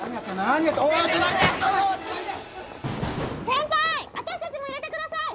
先輩あたしたちも入れてください！